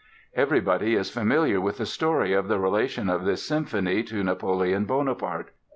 Everybody is familiar with the story of the relation of this symphony to Napoleon Bonaparte.